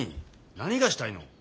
何がしたいの？